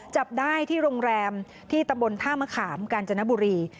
จับได้ที่โรงแรมที่ตำบลท่ามะขามกาญจนบุรี